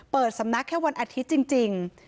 เปิดสำนักแค่วันอาทิตย์จริง